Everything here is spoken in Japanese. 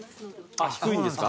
あっ低いんですか？